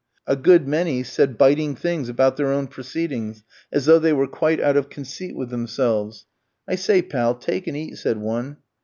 A good many said biting things about their own proceedings as though they were quite out of conceit with themselves. "I say, pal, take and eat!" said one.